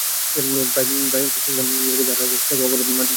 প্রায় শুকনা নদের মাঝে আড়াআড়ি অস্থায়ী রাস্তা দিয়ে চলছে অবাধে মাটি কাটা।